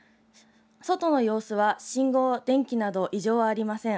外の様子は信号、電気など異常はありません。